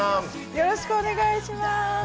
よろしくお願いします。